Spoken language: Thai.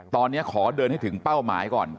ตอนนี้ขอเดินให้ถึงเป้าหมายก่อน